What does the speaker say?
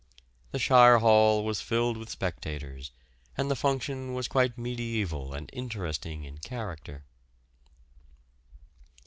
The Shire Hall was filled with spectators, and the function was quite mediæval and interesting in character.